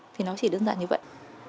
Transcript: thì nó chỉ đơn giản như vậy